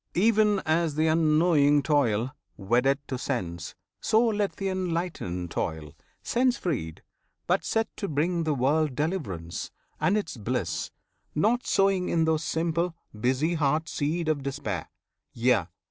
Even as the unknowing toil, wedded to sense, So let the enlightened toil, sense freed, but set To bring the world deliverance, and its bliss; Not sowing in those simple, busy hearts Seed of despair. Yea!